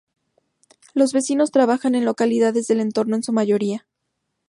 Los vecinos trabajan en localidades del entorno en su mayoría.